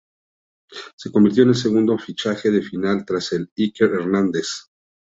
Se convirtió en el segundo fichaje del filial tras el de Iker Hernández.